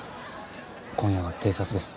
今夜は偵察です。